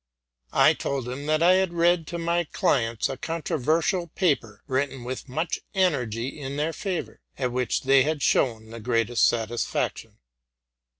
I told him that I had sad to my clients a controversy, written with much energy, in their favor, at which they had shown the greatest satis faction.